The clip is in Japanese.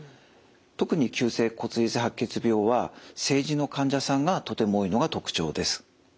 特に急性骨髄性白血病は成人の患者さんがとても多いのが特徴です。